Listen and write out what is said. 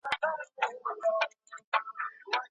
که ته شکر وباسې نو الله به دي مال ډېر کړي.